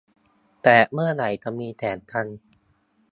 แต่เมื่อไหร่จะมีแสงจันทร์